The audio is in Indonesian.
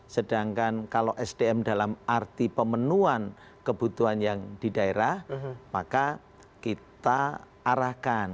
sedangkan kalau sdm dalam arti pemenuhan kebutuhan yang di daerah maka kita arahkan